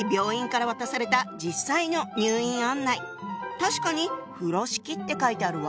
確かに「風呂敷」って書いてあるわ！